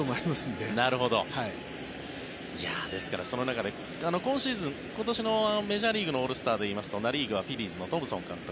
ですから、その中で今シーズン今年のメジャーリーグの監督でいいますとナ・リーグはフィリーズのトムソン監督